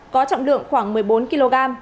có trọng lượng khoảng một mươi bốn kg